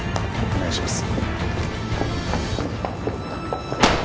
お願いします。